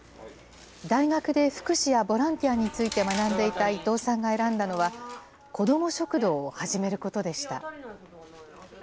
大学で福祉やボランティアについて学んでいた伊藤さんが選んだのは、子ども食堂を始めることでした。